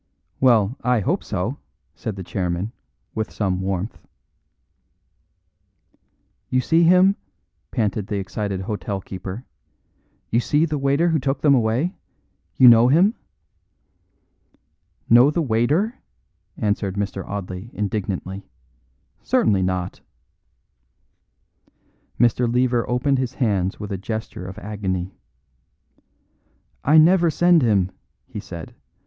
"Well, I hope so," said the chairman, with some warmth. "You see him?" panted the excited hotel keeper; "you see the waiter who took them away? You know him?" "Know the waiter?" answered Mr. Audley indignantly. "Certainly not!" Mr. Lever opened his hands with a gesture of agony. "I never send him," he said.